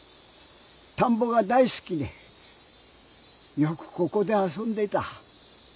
たんぼが大すきでよくここであそんでいた。